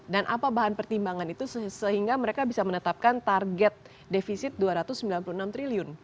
dan apa bahan pertimbangan itu sehingga mereka bisa menetapkan target devisi dua ratus sembilan puluh enam triliun